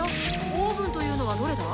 オーブンというのはどれだ？